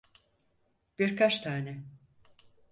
Bir kaç tane.